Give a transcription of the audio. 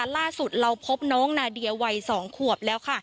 ล่าสุดเราพบน้องนาเดียวัย๒ขวบแล้วค่ะ